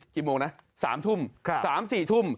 เกี่ยวกันแล้วนะ๓ธุ่ม